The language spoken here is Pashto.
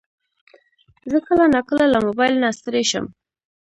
زه کله ناکله له موبایل نه ستړی شم.